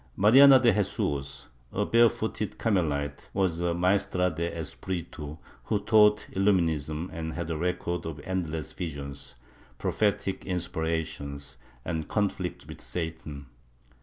Mariana de Jesus, a barefooted Car melite, was a Maestra de Espiritu, who taught Illuminism and had a record of endless visions, prophetic inspiration and conflicts with Satan.